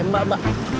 eh mbak mbak